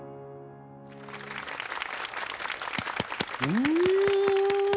うん！